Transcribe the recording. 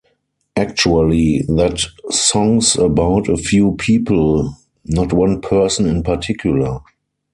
Actually, that song's about a few people, not one person in particular.